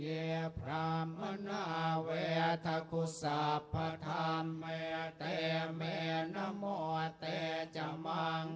เยพรามนาเวทะกุศัพทัมเมเตเมนโนโมเตจมัง